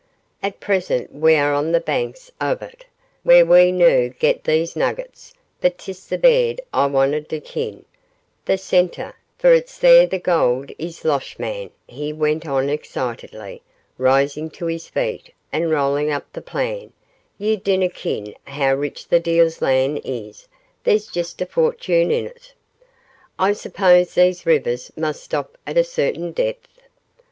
At present we are on the banks o' it, where we noo get these nuggets; but 'tis the bed I want, d'ye ken, the centre, for its there the gold is; losh, man,' he went on, excitedly, rising to his feet and rolling up the plan, 'ye dinna ken how rich the Deil's Lead is; there's just a fortune in it.' "I suppose these rivers must stop at a certain depth?"